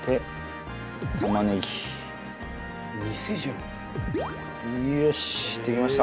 よし！